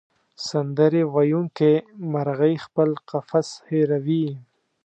سندرې ویونکې مرغۍ خپل قفس هېروي.